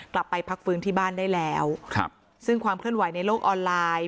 กลับไปพักฟื้นที่บ้านได้แล้วครับซึ่งความเคลื่อนไหวในโลกออนไลน์